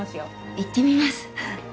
行ってみます。